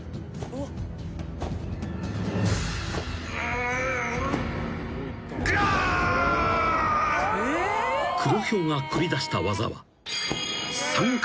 「うーん」［クロヒョウが繰り出した技は］